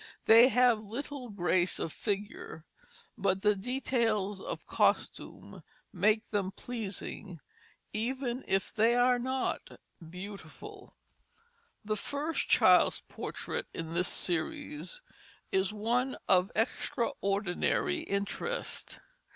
They have little grace of figure, but the details of costume make them pleasing even if they are not beautiful. The first child's portrait in this series is one of extraordinary interest.